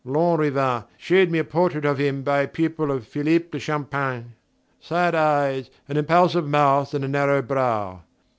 Lanrivain showed me a portrait of him by a pupil of Philippe de Champaigne: sad eyes, an impulsive mouth and a narrow brow.